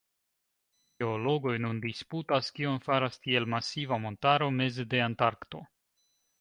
Geologoj nun disputas, kion faras tiel masiva montaro meze de Antarkto.